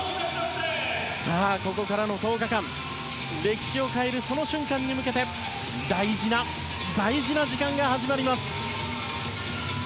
ここからの１０日間歴史を変えるその瞬間に向けて大事な大事な時間が始まります。